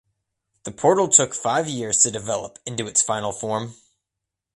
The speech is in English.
The portal took five years to develop into its final form.